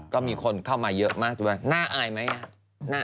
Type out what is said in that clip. ก็มีคนเข้ามาเยอะมากด้วยน่าอายไหม